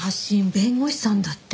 弁護士さんだって。